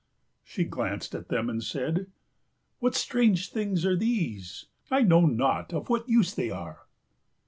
She glanced at them and said, "What strange things are these? I know not of what use they are!"